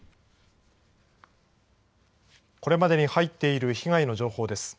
これまでに入っている被害の情報です。